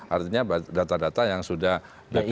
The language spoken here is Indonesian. artinya data data yang sudah bpj